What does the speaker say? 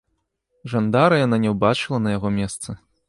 Жандара яна не ўбачыла на яго месцы.